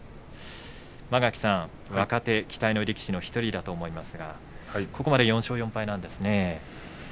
間垣さん、若手期待の力士の１人だと思いますがここまで４勝４敗なんですね。